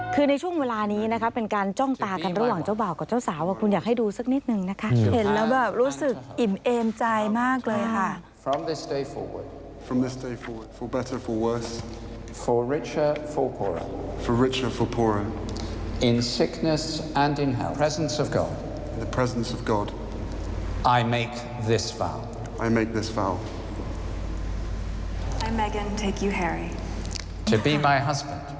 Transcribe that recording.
คือในช่วงเวลานี้นะคะเป็นการจ้องตากันระหว่างเจ้าบ่าวกับเจ้าสาวคุณอยากให้ดูสักนิดนึงนะคะเห็นแล้วแบบรู้สึกอิ่มเอมใจมากเลยค่ะ